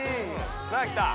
さあきた！